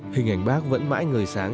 hình ảnh bác vẫn mãi ngời sáng